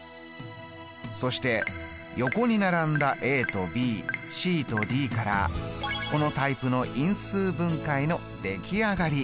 そして横に並んだとｂｃとｄからこのタイプの因数分解の出来上がり。